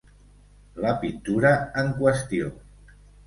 La pintura en qüestió.